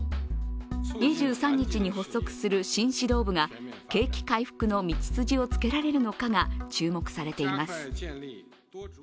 ２３日に発足する新指導部が景気回復の道筋をつけられるのかが注目されています。